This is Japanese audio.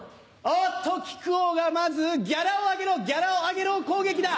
おっと木久扇がまずギャラを上げろギャラを上げろ攻撃だ。